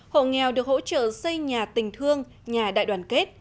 hộ nghèo được hỗ trợ xây nhà tình thương nhà đại đoàn kết